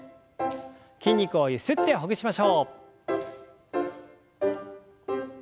筋肉をゆすってほぐしましょう。